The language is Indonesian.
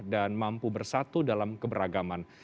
dan mampu bersatu dalam keberagaman